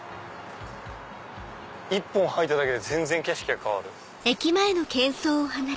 一本入っただけで全然景色が変わる。